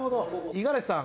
五十嵐さん